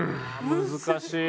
難しい。